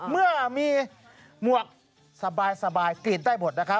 เมื่อมีหมวกสบายกรีดได้หมด